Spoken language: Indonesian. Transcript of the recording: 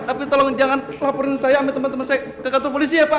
tapi tolong jangan laporin saya ambil teman teman saya ke kantor polisi ya pak